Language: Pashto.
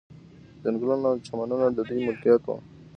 ځنګلونه او چمنونه د دوی ملکیت وو.